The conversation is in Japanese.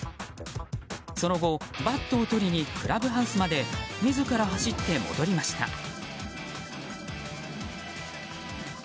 その後、バットを取りにクラブハウスにまで自ら走って戻りました。